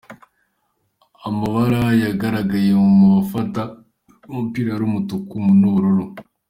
Amabara yagaragaye mu bafata b'umupira yari umutuku nu bururu.